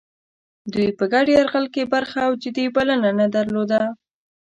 دوی په ګډ یرغل کې برخه او جدي بلنه نه درلوده.